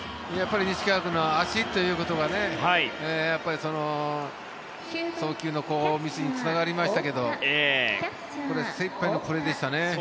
西川君の足ということが送球のミスにつながりましたけど精いっぱいのこれでしたね。